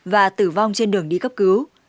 và tử vong trên đường đi cấp cứu